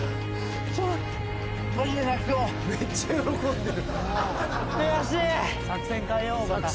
めっちゃ喜んでる。